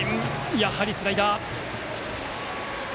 やはりスライダー。